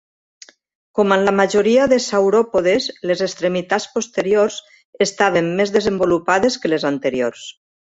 Com en la majoria de sauròpodes, les extremitats posteriors estaven més desenvolupades que les anteriors.